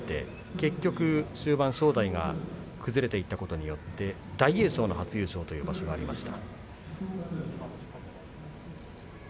結局終盤、正代が崩れていったことによって大栄翔の初優勝という場所がありました。